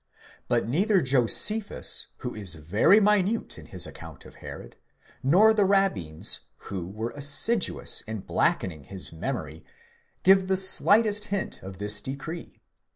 ® But neither ᾿ Josephus, who is very minute in his account of Herod, nor the rabbins, who were assiduous in blackening his memory, give the slightest hint of this decree.